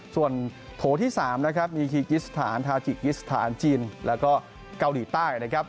ส่วนโถที่สามมีกิษฐานทาจิกิสฐานจีนแล้วก็เกาหลีใต้